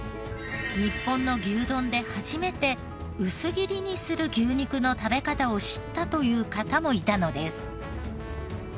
日本の牛丼で初めて薄切りにする牛肉の食べ方を知ったという方もいたのです。